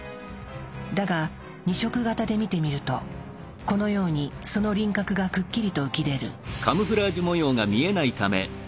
だが２色型で見てみるとこのようにその輪郭がくっきりと浮き出る。